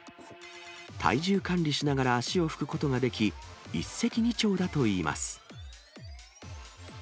体重管理しながら足を拭くことができ、一石二鳥だといいます。